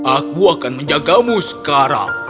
aku akan menjagamu sekarang